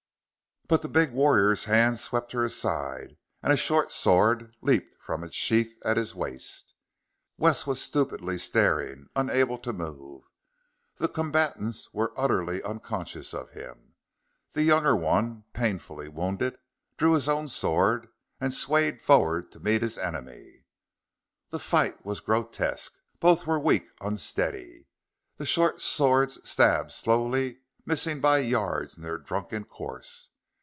But the big warrior's hand swept her aside, and a short sword leaped from its sheath at his waist. Wes was stupidly staring, unable to move. The combatants were utterly unconscious of him. The younger one, painfully wounded, drew his own sword and swayed forward to meet his enemy. The fight was grotesque. Both were weak, unsteady. The short swords stabbed slowly, missing by yards in their drunken course.